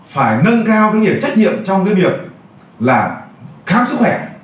phải nâng cao cái việc trách nhiệm trong cái việc là khám sức khỏe